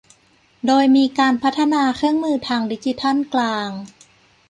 โดยมีการพัฒนาเครื่องมือทางดิจิทัลกลาง